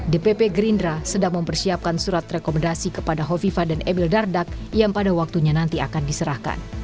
dpp gerindra sedang mempersiapkan surat rekomendasi kepada hovifa dan emil dardak yang pada waktunya nanti akan diserahkan